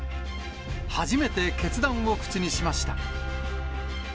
初めて決断を口にしました。